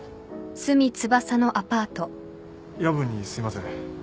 夜分にすいません。